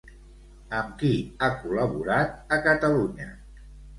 Amb qui ha col·laborat a Catalunya?